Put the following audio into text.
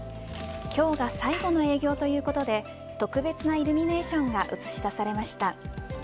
今日が最後の営業ということで特別なイルミネーションが映し出されました。